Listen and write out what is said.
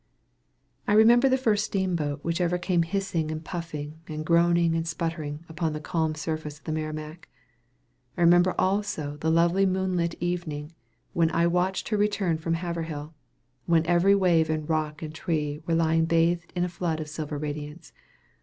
I remember the first steamboat which ever came hissing and puffing and groaning and sputtering up the calm surface of the Merrimac. I remember also the lovely moonlight evening when I watched her return from Haverhill, and when every wave and rock and tree were lying bathed in a flood of silver radiance.